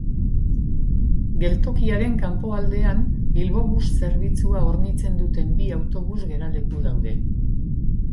Geltokiaren kanpoaldean Bilbobus zerbitzua hornitzen duten bi autobus geraleku daude.